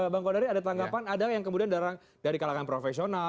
bang kodari ada tanggapan ada yang kemudian dari kalangan profesional